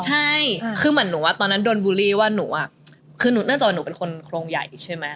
ใช่คือเหมือนหนูว่าตอนนั้นโดนบูลลี่ว่าหนูอ่ะคือเนื่องจากว่าหนูเป็นคนโครงใหญ่ใช่ไหม